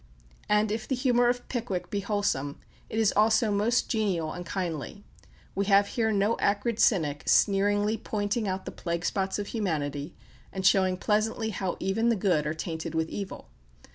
And if the humour of "Pickwick" be wholesome, it is also most genial and kindly. We have here no acrid cynic sneeringly pointing out the plague spots of humanity, and showing pleasantly how even the good are tainted with evil.